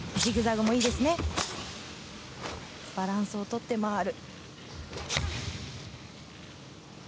バランスをとって回る。